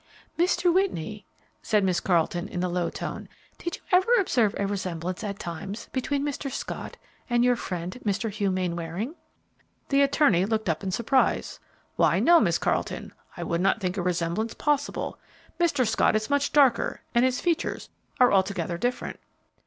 "Mr. Whitney," said Miss Carleton, in a low tone, "did you ever observe a resemblance at times between Mr. Scott and your friend, Mr. Hugh Mainwaring?" The attorney looked up in surprise. "Why, no, Miss Carleton, I would not think a resemblance possible. Mr. Scott is much darker and his features are altogether different."